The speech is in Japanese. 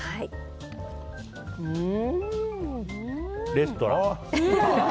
レストラン。